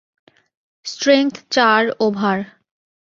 Strength চার, over.